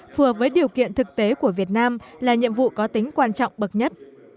phù hợp với điều kiện thực tế của việt nam là nhiệm vụ có tính quan trọng bậc nhất